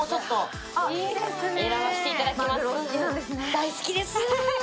大好きです。